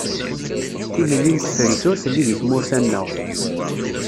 Tilelli n tefrit ur telli deg tmurt-a-nneɣ.